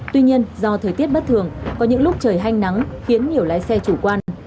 tuy nhiên do thời tiết bất thường có những lúc trời hanh nắng khiến nhiều lái xe chủ quan